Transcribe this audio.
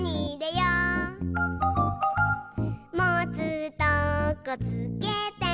「もつとこつけて」